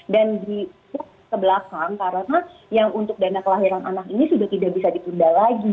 dan dikebelakang karena yang untuk dana kelahiran anak ini sudah tidak bisa ditunda lagi